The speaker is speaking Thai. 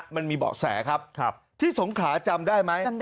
มันมีเบาะแสครับที่สงขลาจำได้ไหม